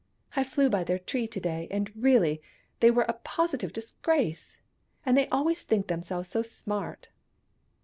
" I flew by their tree to day, and really, they were a positive disgrace. And they always think themselves so smart